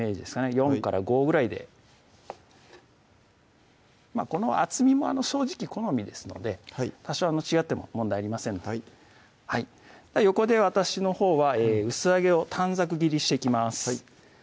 ４５ぐらいでまぁこの厚みも正直好みですので多少違っても問題ありませんので横で私のほうは薄揚げを短冊切りしていきます